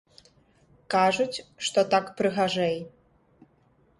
Кажуць, што так прыгажэй.